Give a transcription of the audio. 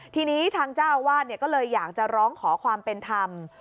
ทีนี้ทางเจ้าอาวาสก็เลยอยากจะร้องขอความเป็นธรรม